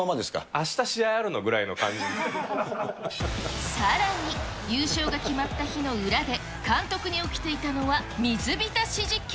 あした試合あるの？ぐらいのさらに、優勝が決まった日の裏で、監督に起きていたのは水浸し事件。